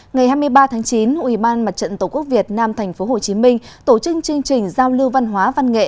ngày hai mươi ba tháng chín ủy ban mặt trận tổ quốc việt nam tp hcm tổ chức chương trình giao lưu văn hóa văn nghệ